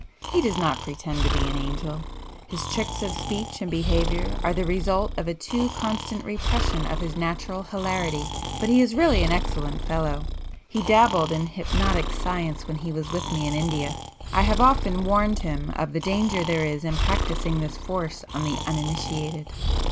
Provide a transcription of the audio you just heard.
He does not pretend to be an angel. His tricks of speech and behaviour are the result of a too constant repression of his natural hilarity, but he is really an excellent fellow. He dabbled in hypnotic science when he was with me in India; I have often warned him of the danger there is in practising this force on the uninitiated.